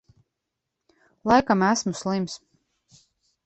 Laikam esmu slims.